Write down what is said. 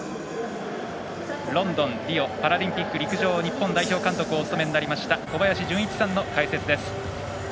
ロンドン、リオパラリンピック陸上日本代表監督をお務めになりました小林順一さんの解説です。